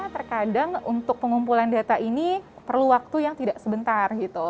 terkadang untuk pengumpulan data ini perlu waktu yang tidak sebentar gitu